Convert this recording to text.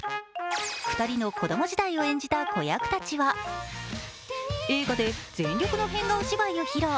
２人の子供時代を演じた子役たちは映画で全力の変顔芝居を披露。